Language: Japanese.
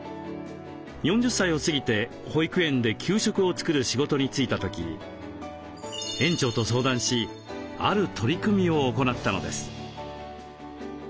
４０歳を過ぎて保育園で給食を作る仕事に就いた時園長と相談しある取り組みを行ったのです。